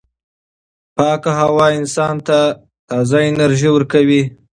پاکه هوا انسان ته تازه انرژي ورکوي.